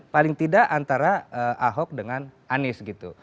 paling tidak antara ahok dengan anies gitu